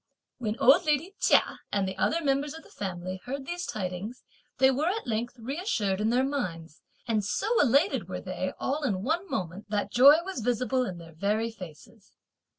When old lady Chia and the other members of the family heard these tidings they were at length reassured in their minds, and so elated were they all in one moment that joy was visible in their very faces.